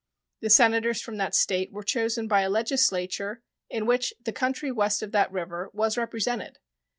The Senators from that State were chosen by a legislature in which the country west of that river was represented.